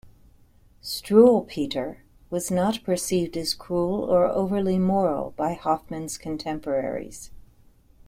"Struwwelpeter" was not perceived as cruel or overly moral by Hoffmann's contemporaries.